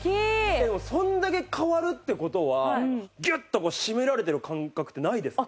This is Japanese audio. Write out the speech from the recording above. でもそれだけ変わるって事はギュッと締められてる感覚ってないですか？